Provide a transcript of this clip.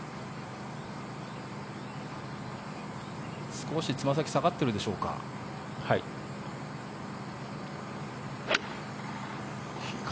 少しつま先下がっているでしょうか。